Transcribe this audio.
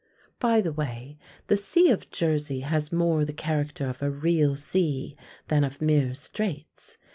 By the way, the sea of Jersey has more the character of a real sea than of mere straits.